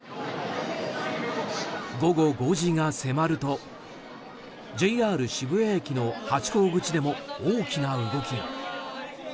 午後５時が迫るとＪＲ渋谷駅のハチ公口でも大きな動きが。